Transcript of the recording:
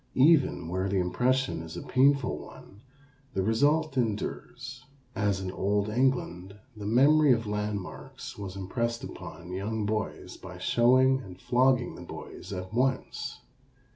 Even where the impression is a painful one the result endures; as in old England the memory of landmarks was impressed upon young boys by showing and flogging the boys at once.